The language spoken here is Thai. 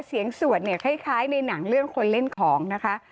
สวดเนี่ยคล้ายในหนังเรื่องคนเล่นของนะคะ